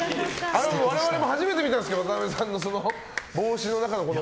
我々も始めてみたんですけど渡部さんの帽子の中を。